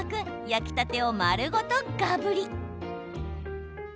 焼きたてを丸ごとがぶり。